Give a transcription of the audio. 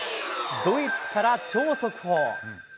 ドイツから超速報。